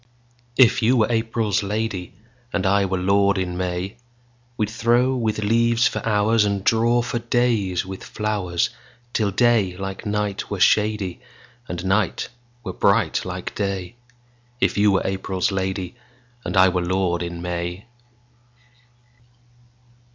If you were April's lady, And I were lord in May, We'd throw with leaves for hoursAnd draw for days with flowers, Till day like night were shadyAnd night were bright like day; If you were April's lady, And I were lord in May.